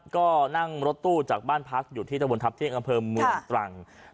ก็นั่งรถตู้จากบ้านพักอยู่ที่ตะบนทัพเที่ยงอำเภอเมืองตรัง